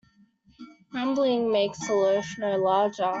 Grumbling makes the loaf no larger.